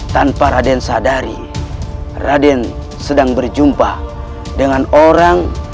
tanpa raden sadari raden sedang berjumpa dengan orang